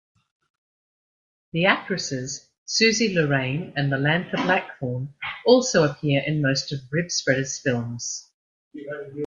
The actresses Suzi Lorraine and Melantha Blackthorne also appear in most of Ribspreader's films.